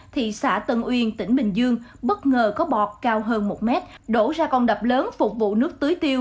thị xã tân uyên tỉnh bình dương bất ngờ có bọt cao hơn một mét đổ ra con đập lớn phục vụ nước tưới tiêu